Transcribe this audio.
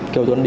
kêu tuấn đi